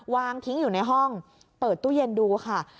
วางทิ้งอยู่ในห้องเปิดตู้เย็นดูค่ะ